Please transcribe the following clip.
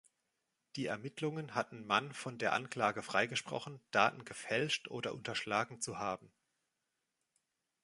Die Ermittlungen hatten Mann von der Anklage freigesprochen, Daten gefälscht oder unterschlagen zu haben.